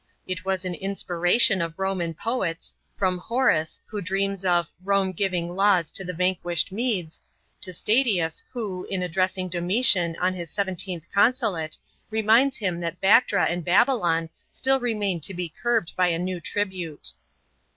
It was an aspiration of Roman poets, from Horace, who dreams of "R>me giving laws to the vanquished Medes," to Statius who, in addressing D'»mitian on his seventeenth consulate, reminds him that Bactra and Babylon still remain to be curbed by a new tribute.